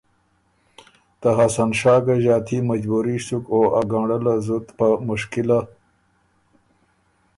ته حسن شاه ګۀ ݫاتي مجبُوري سُک او ا ګنړه له زُت په مشکله